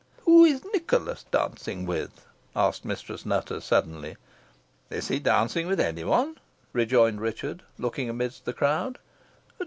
"Who is Nicholas dancing with?" asked Mistress Nutter suddenly. "Is he dancing with any one?" rejoined Richard, looking amidst the crowd.